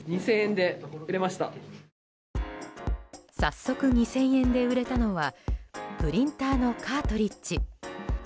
早速、２０００円で売れたのはプリンターのカートリッジ。